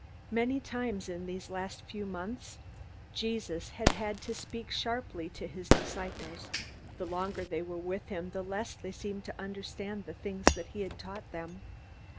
Many times in these last few months Jesus had had to speak sharply to his disciples. The longer they were with him, the less they seemed to understand the things that he had taught them.